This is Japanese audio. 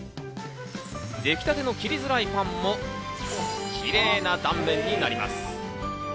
できたての切りづらいパンもキレイな断面になります。